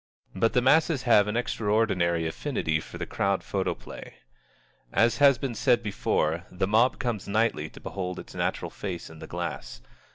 But the masses have an extraordinary affinity for the Crowd Photoplay. As has been said before, the mob comes nightly to behold its natural face in the glass.